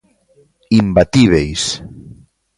Imbatíbeis.